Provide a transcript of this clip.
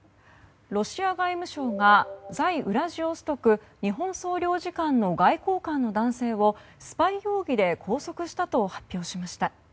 ロシア外務省が在ウラジオストク日本総領事館の外交官の男性をスパイ容疑で拘束したと発表しました。